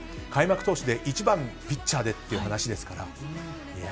開幕投手で１番ピッチャーでという話ですから。